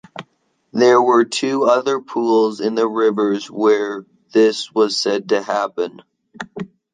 There were two other pools in the rivers where this was said to happen.